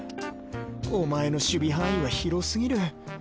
お前の守備範囲は広過ぎる。